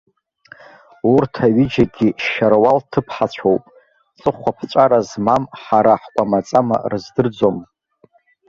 Урҭ аҩыџьагьы шьаруал ҭыԥҳацәоуп, ҵыхәаԥҵәара змам ҳара ҳкәамаҵама рыздырӡом.